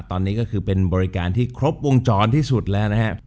ตอนนี้ก็คือเป็นบริการที่ครบวงจรที่สุดแล้วนะครับ